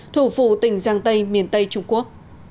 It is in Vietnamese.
thủ phủ tỉnh giang tây miền tây trung quốc